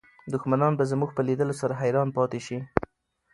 دښمنان به زموږ په لیدلو سره حیران پاتې شي.